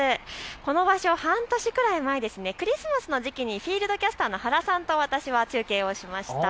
この場所、半年くらい前、クリスマスの時期にフィールドキャスターの原さんと私は中継をしました。